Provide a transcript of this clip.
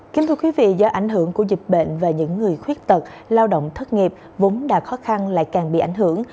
kính thưa quý vị do ảnh hưởng của dịch bệnh và những người khuyết tật lao động thất nghiệp vốn đã khó khăn lại càng bị ảnh hưởng